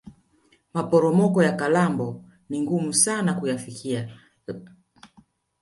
maporomoko ya kalambo ni ngumu sana kuyafikia lakini watalii hujitahidi kuyafikia